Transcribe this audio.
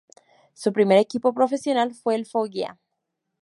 Su primer equipo profesional fue el Foggia.